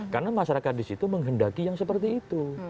karena masyarakat di situ menghendaki yang seperti itu